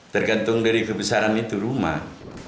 tergantung dari kebesaran itu rumah